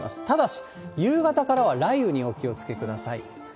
ただし、夕方からは雷雨にお気をつけください。